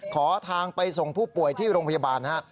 ขอทางไปส่งผู้ป่วยที่โรงพยาบาลนะฮะ